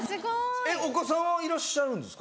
お子さんはいらっしゃるんですか？